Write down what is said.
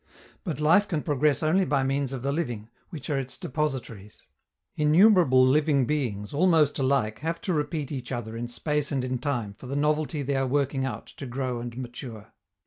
But life can progress only by means of the living, which are its depositaries. Innumerable living beings, almost alike, have to repeat each other in space and in time for the novelty they are working out to grow and mature.